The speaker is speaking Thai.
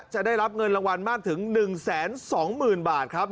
จะได้รับเงินละวันมากถึง๑แสน๒หมื่นบาทครับ